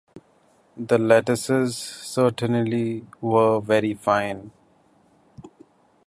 The lettuces certainly were very fine.